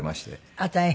あっ大変。